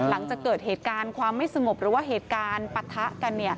หลังจะเกิดเหตุการณ์ความไม่สงบหรือเกิดประทะกัน